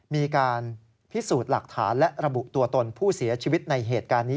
มีการพิสูจน์หลักฐานและระบุตัวตนผู้เสียชีวิตในเหตุการณ์นี้